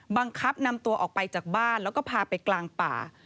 บังคับนำตัวออกไปจากบ้านแล้วก็พาไปกลางป่า